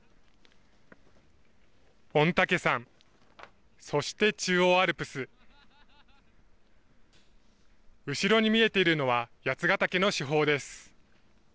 御嶽山、そして中央アルプス、後ろに見えているのは八ヶ岳の主峰です。